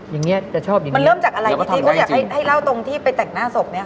นี่ไงมันเริ่มจากอะไรพี่จิ๊กก็อยากให้เล่าตรงที่ไปแต่งหน้าศพ